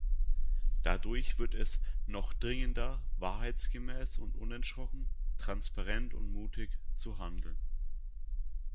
Dadurch wird es noch dringender, wahrheitsgemäß und unerschrocken, transparent und mutig zu handeln.